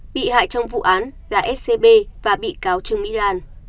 bị hại trong vụ án là scb và bị cáo trương mỹ lan